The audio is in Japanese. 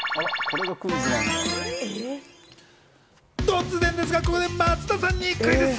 突然ですが、ここで松田さんにクイズッス！